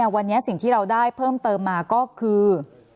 วันนี้สิ่งที่เราได้เพิ่มเติมมาก็คือ